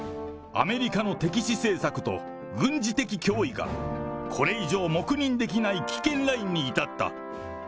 アメリカの敵視政策と、軍事的脅威がこれ以上黙認できない危険ラインに至った。